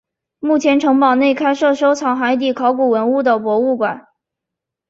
目前城堡内开设收藏海底考古文物的博物馆。